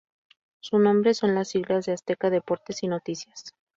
Su nombre son las siglas de "Azteca, Deportes y Noticias".